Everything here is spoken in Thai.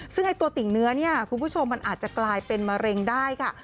ซึ่งไอ้ตัวติ่งเนื้อเนี่ยคุณผู้ชมมันอาจจะกลายเป็นมะเร็งได้ค่ะ